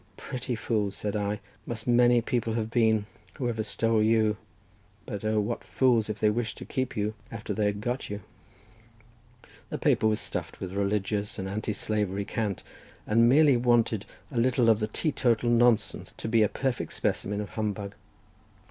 "Pretty fools," said I, "must any people have been who ever stole you; but O what fools if they wished to keep you after they had got you!" The paper was stuffed with religious and anti slavery cant, and merely wanted a little of the teetotal nonsense to be a perfect specimen of humbug.